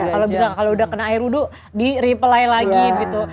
kalau bisa kalau udah kena air wudhu di reply lagi gitu